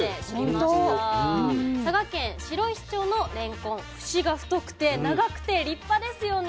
佐賀県白石町のれんこん節が太くて長くて立派ですよね。